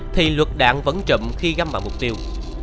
thì luật đạn vẫn chậm khi găm vào mục tiêu